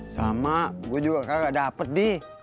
sama gue juga kagak dapet di